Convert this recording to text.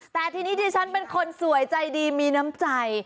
แต่ทีนี้ที่ฉันเป็นคนสวยใจดีมีน้ำใจ